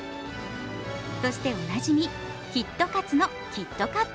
そしておなじみ、きっと勝つのキットカット。